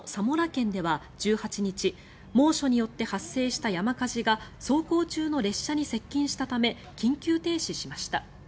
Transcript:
県では１８日猛暑によって発生した山火事が走行中の列車に接近したため緊急停止しました。